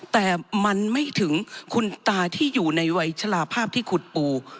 แต่มันไม่ถึงคุณตาที่อยู่ในวัยชะลาภาพที่ขุดปู